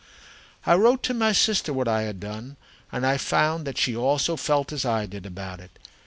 "I wrote to my sister what I had done, and I found that she also felt as I did about it.